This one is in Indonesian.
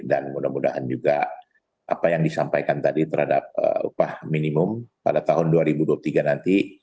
dan mudah mudahan juga apa yang disampaikan tadi terhadap upah minimum pada tahun dua ribu dua puluh tiga nanti